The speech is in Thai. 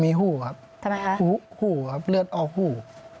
มีหูครับรืดออกหู้